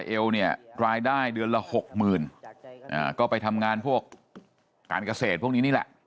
เอวเนี่ยรายได้เดือนละหกหมื่นก็ไปทำงานพวกการเกษตรพวกนี้นี่แหละ